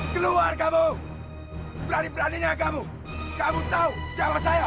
terima kasih dan lagi maaf penyayang